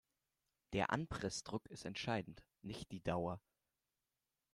Der Anpressdruck ist entscheidend, nicht die Dauer.